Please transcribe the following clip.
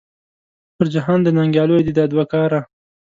پر جهان د ننګیالو دې دا دوه کاره .